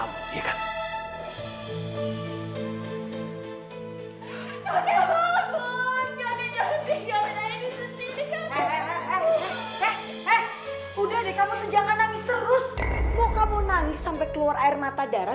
mau kamu nangis sampai keluar air mata darah